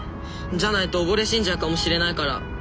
じゃないと溺れ死んじゃうかもしれないから。